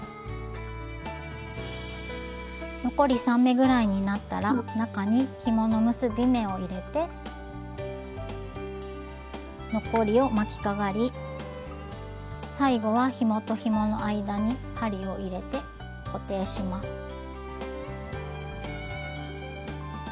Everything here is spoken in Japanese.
残り３目ぐらいになったら中にひもの結び目を入れて残りを巻きかがり最後はひもとひもの間に針を入れて固定します。